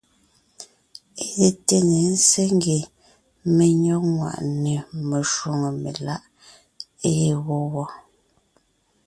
É té ne ńzsé ngie menÿɔ́g ŋwàʼne meshwóŋè meláʼ ée wó wɔ́.